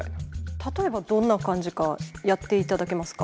例えばどんな感じかやっていただけますか。